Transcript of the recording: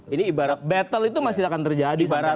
ini ibarat battle itu masih akan terjadi sekarang